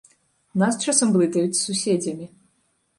Нас часам блытаюць з суседзямі.